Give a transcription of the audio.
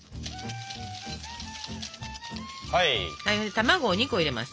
卵を２個入れます。